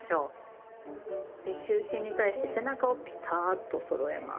で中心に対して背中をピタッとそろえます。